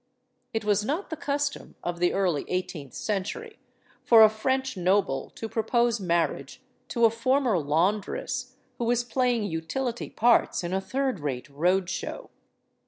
It was not the custom of the early eighteenth century for a French noble to propose marriage to a former laundress who was playing utility parts in a third rate road show.